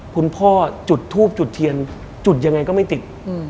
คุณพ่อจุดทูบจุดเทียนจุดยังไงก็ไม่ติด